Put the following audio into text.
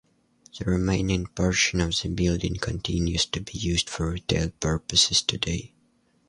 The remaining portion of the building continues to be used for retail purposes today.